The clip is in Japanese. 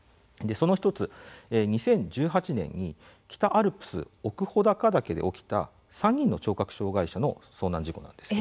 その１つ、２０１８年北アルプスの奥穂高岳で起きた３人の聴覚障害者の遭難事故です。